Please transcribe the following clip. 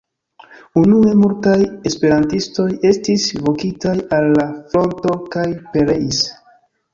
Unue, multaj esperantistoj estis vokitaj al la fronto kaj pereis.